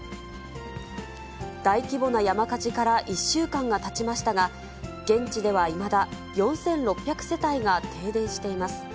大規模な山火事から１週間がたちましたが、現地ではいまだ４６００世帯が停電しています。